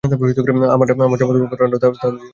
আমার চমকপ্রদ ঘটনাটা তাহলে শেয়ার করতে পারি!